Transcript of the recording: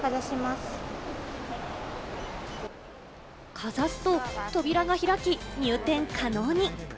かざすと扉が開き、入店可能に。